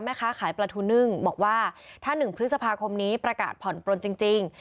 แม่ค้าขายปลาทูนึ่งบอกว่าถ้า๑พฤษภาคมนี้ประกาศผ่อนปลนจริง